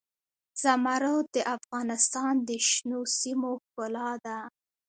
زمرد د افغانستان د شنو سیمو ښکلا ده.